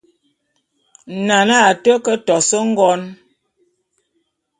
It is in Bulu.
Nane a té ke tos ngon.